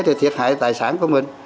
thì thiệt hại tài sản của mình